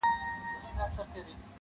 چي د پیغلوټو په ټالونو ښایستې وي وني -